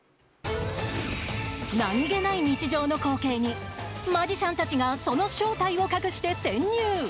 何気ない日常の光景にマジシャンたちがその正体を隠して潜入。